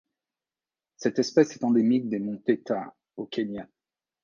Cette espèce est endémique des monts Taita au Kenya.